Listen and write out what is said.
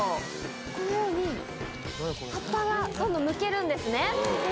このように葉っぱがどんどんむけるんですね。